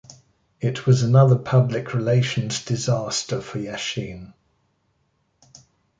It was another public relations disaster for Yashin.